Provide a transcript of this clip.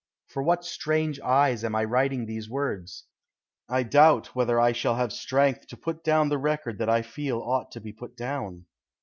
For what strange eyes am I writing these words? I doubt whether I shall have strength to put down the record that I feel ought to be put down.